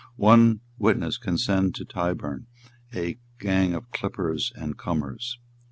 One witness can send to Tyburn a gang of clippers and comers.